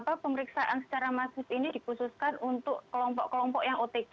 jadi memang pemeriksaan secara masif ini dikhususkan untuk kelompok kelompok yang ada di lapangan ini